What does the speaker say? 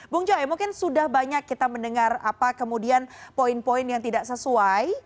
bung joy mungkin sudah banyak kita mendengar apa kemudian poin poin yang tidak sesuai